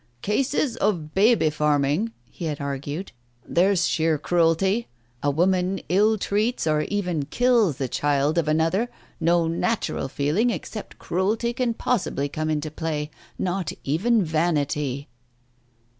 "Cases of baby farming" he had argued. "There's sheer cruelty. If a woman ill treats or even kills the child of another, no natural feeling except cruelty can possibly come into play, not even vanity.